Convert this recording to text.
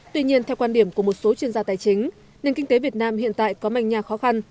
tuy nhiên theo quan điểm của một số chuyên gia tài chính nền kinh tế việt nam hiện tại có mạnh nhà khó khăn